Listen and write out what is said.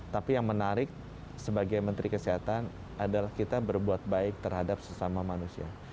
tapi yang menarik sebagai menteri kesehatan adalah kita berbuat baik terhadap sesama manusia